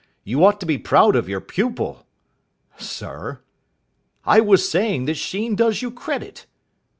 You ought to be proud of your pupil." "Sir?" "I was saying that Sheen does you credit."